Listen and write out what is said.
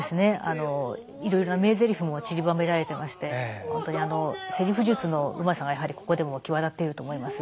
いろいろな名ゼリフもちりばめられてまして本当にセリフ術のうまさがやはりここでも際立っていると思います。